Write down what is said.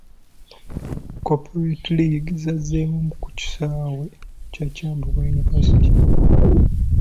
Corporate League zazzeemu ku kisaawe kya Kyambogo University.